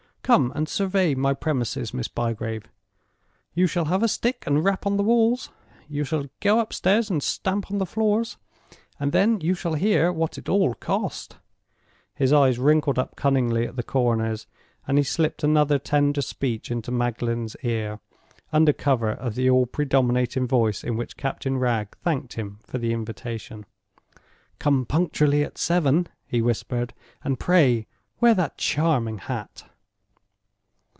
Come and survey my premises, Miss Bygrave. You shall have a stick and rap on the walls; you shall go upstairs and stamp on the floors, and then you shall hear what it all cost." His eyes wrinkled up cunningly at the corners, and he slipped another tender speech into Magdalen's ear, under cover of the all predominating voice in which Captain Wragge thanked him for the invitation. "Come punctually at seven," he whispered, "and pray wear that charming hat!"